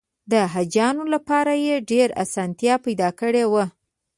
د حاجیانو لپاره یې ډېره اسانتیا پیدا کړې وه.